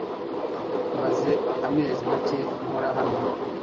Maze amezi make nkora hano.